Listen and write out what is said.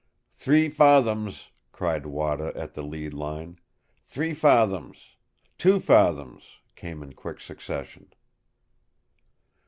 "Three fathoms," cried Wada at the lead line. "Three fathoms," "two fathoms," came in quick succession.